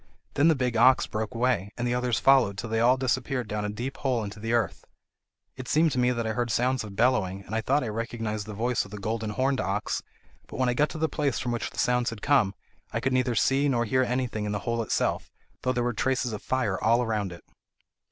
Then the big ox broke away, and the others followed till they all disappeared down a deep hole into the earth. It seemed to me that I heard sounds of bellowing, and I thought I recognised the voice of the golden horned ox; but when I got to the place from which the sounds had come, I could neither see nor hear anything in the hole itself, though there were traces of a fire all round it."